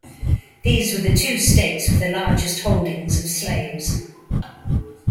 These were the two states with the largest holdings of slaves.